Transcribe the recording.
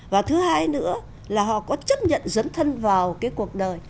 và thứ hai nữa là họ có chấp nhận dấn thân vào cái cuộc đời